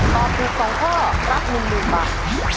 ตอบถูก๒ข้อรับ๑๐๐๐บาท